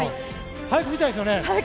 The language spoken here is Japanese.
早く見たいですよね。